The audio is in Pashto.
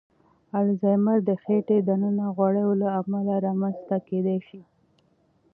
الزایمر د خېټې دننه غوړو له امله رامنځ ته کېدای شي.